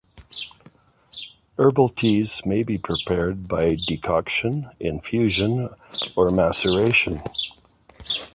Herbal teas may be prepared by decoction, infusion, or maceration.